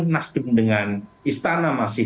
nasdem dengan istana masih